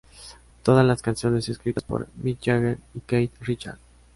Todas las canciones escritas por Mick Jagger y Keith Richards.